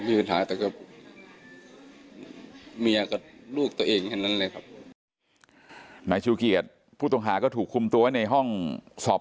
มีปัญหาแต่กับเมียกับลูกตัวเองครับ